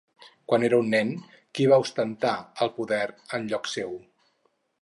Quan era un nen, qui va ostentar el poder en lloc seu?